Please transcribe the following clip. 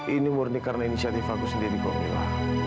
ini murni karena inisiatif aku sendiri kok mila